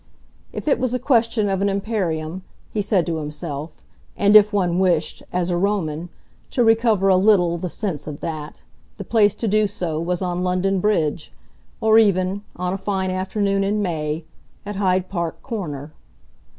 If it was a question of an Imperium, he said to himself, and if one wished, as a Roman, to recover a little the sense of that, the place to do so was on London Bridge, or even, on a fine afternoon in May, at Hyde Park Corner.